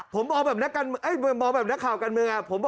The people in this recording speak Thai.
ผมมองแบบนักข่าวการเมือง